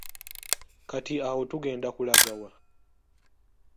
Kati awo tugenda kulaga wa?